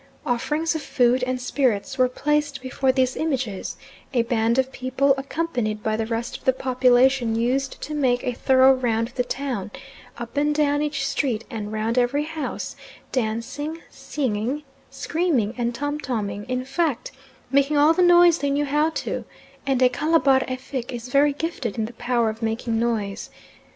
Offerings of food and spirits were placed before these images; a band of people accompanied by the rest of the population used to make a thorough round of the town, up and down each street and round every house, dancing, singing, screaming and tom toming, in fact making all the noise they knew how to and a Calabar Effik is very gifted in the power of making noise.